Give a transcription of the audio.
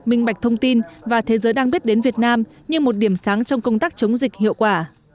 minh bạch thông tin và thế giới đang biết đến việt nam như một điểm sáng trong công tác chống dịch hiệu quả